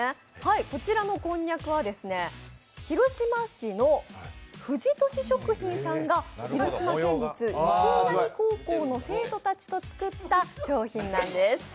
こちらのこんにゃくは、広島市の藤利食品さんが広島県立の高校の生徒たちと作った商品なんです。